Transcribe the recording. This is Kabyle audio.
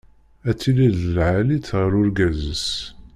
Ad tili d lεali-tt ɣer urgaz-is.